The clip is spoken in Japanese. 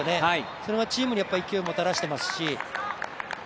それは、チームに勢いをもたらしていますし。